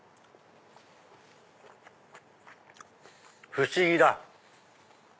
不思議だ。